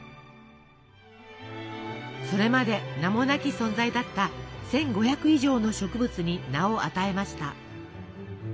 それまで名もなき存在だった１，５００以上の植物に名を与えました。